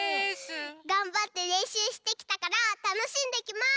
がんばってれんしゅうしてきたからたのしんできます！